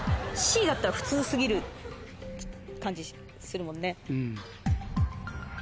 Ｃだったら普通過ぎる感じするもんね。